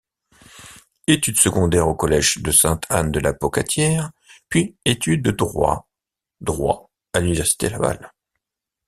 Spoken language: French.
Études secondaires au Collège de Sainte-Anne-de-la-Pocatière, puis études de droit droit à l'Université Laval.